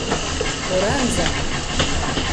Кораҥза!..